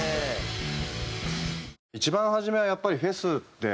一番初めはやっぱりフェスって。